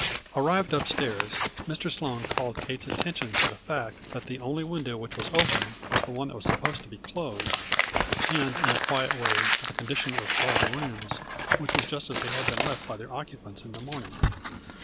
Arrived up stairs, Mr. Sloane called Kate's attention to the fact that the only window which was open was the one that was supposed to be closed, and, in a quiet way, to the condition of all the rooms, which were just as they had been left by their occupants in the morning.